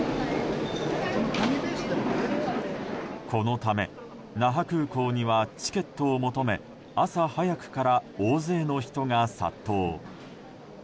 このため、那覇空港にはチケットを求め朝早くから大勢の人が殺到。